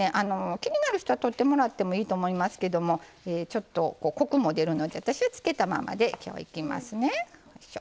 気になる人は取ってもらってもいいと思いますけどもちょっとコクも出るので私はつけたままで今日はいきますね。